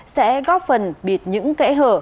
sẽ góp phần bịt những kẻ hở